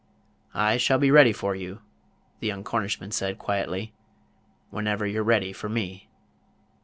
"I shall be ready for you," the young Cornishman said, quietly, "whenever you're ready for me."